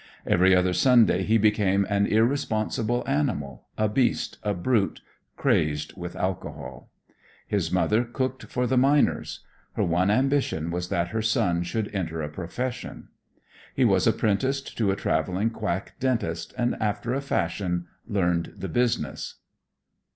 Every other Sunday he became an irresponsible animal, a beast, a brute, crazed with alcohol. His mother cooked for the miners. Her one ambition was that her son should enter a profession. He was apprenticed to a traveling quack dentist and after a fashion, learned the business.